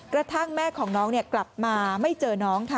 กระทั่งแม่ของน้องกลับมาไม่เจอน้องค่ะ